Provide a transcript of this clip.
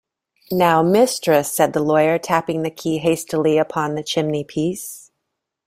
"Now, mistress," said the lawyer, tapping the key hastily upon the chimney-piece.